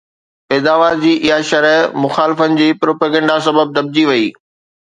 پيداوار جي اها شرح مخالفن جي پروپيگنڊا سبب دٻجي وئي